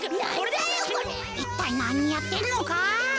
いったいなにやってんのか？